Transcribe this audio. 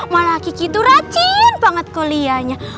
malah gigi tuh racin banget kuliahnya